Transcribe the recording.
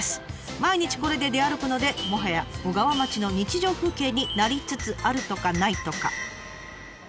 毎日これで出歩くのでもはや小川町の日常風景になりつつあるとかないとか。